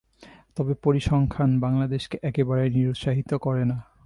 তবে পরিসংখ্যান বাংলাদেশকে একেবারে নিরুৎসাহিত করে না।